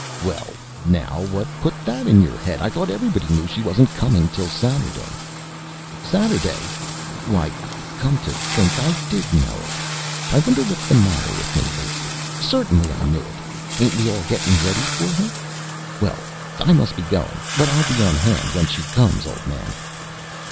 "Well, now, what put that in your head? I thought everybody knew she wasn't coming till Saturday." "Saturday! Why, come to think, I did know it. I wonder what's the matter with me lately? Certainly I knew it. Ain't we all getting ready for her? Well, I must be going now. But I'll be on hand when she comes, old man!"